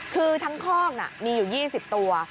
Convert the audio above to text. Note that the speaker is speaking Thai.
คือทั้งคอกมีอยู่๒๐ตัว